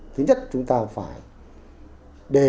thứ nhất chúng ta phải đề cao